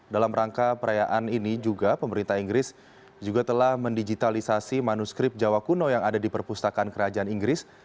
dalam rangka perayaan ini juga pemerintah inggris juga telah mendigitalisasi manuskrip jawa kuno yang ada di perpustakaan kerajaan inggris